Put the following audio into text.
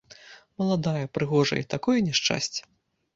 Маладая, прыгожая, і такое няшчасце!